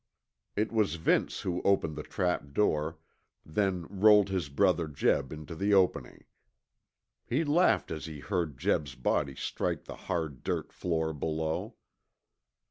It was Vince who opened the trapdoor, then rolled his brother Jeb into the opening. He laughed as he heard Jeb's body strike the hard dirt floor below.